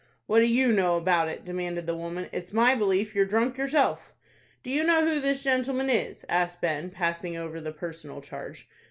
"What do you know about it?" demanded the woman. "It's my belief you're drunk yourself." "Do you know who this gentleman is?" asked Ben, passing over the personal charge.